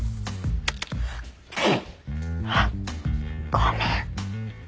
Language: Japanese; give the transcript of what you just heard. ごめん。